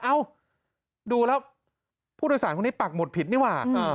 เอ้าดูแล้วผู้โดยสารคนนี้ปักหมุดผิดนี่ว่า